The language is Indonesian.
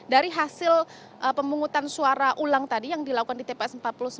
dari hasil pemungutan suara ulang tadi yang dilakukan di tps empat puluh sembilan